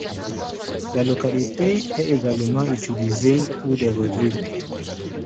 La localité est également utilisée pour des revues.